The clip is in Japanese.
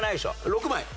６枚。